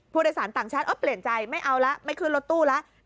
ผู้โดยสารต่างชาติเปลี่ยนใจไม่เอาแล้วไม่ขึ้นรถตู้แล้ว